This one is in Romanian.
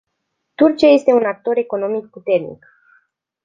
Turcia este un actor economic puternic.